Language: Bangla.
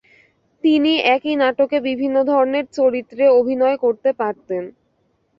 তিনি একই নাটকে বিভিন্ন ধরণের চরিত্রে অভিনয় করতে পারতেন।